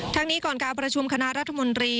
นี้ก่อนการประชุมคณะรัฐมนตรี